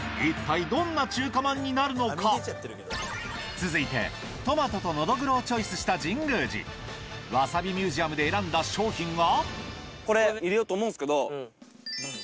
続いてチョイスした神宮寺わさびミュージアムで選んだ商品は？